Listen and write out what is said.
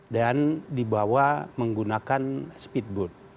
dan dibawa menggunakan speedboat